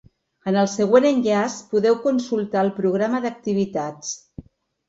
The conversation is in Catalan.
En el següent enllaç podeu consulta el programa d’activitats.